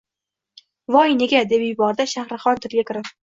— Voy, nega? — deb yubordi Shahrixon tilga kirib.